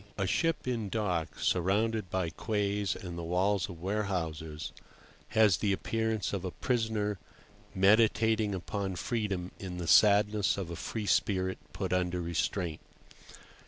A SHIP in dock, surrounded by quays and the walls of warehouses, has the appearance of a prisoner meditating upon freedom in the sadness of a free spirit put under restraint.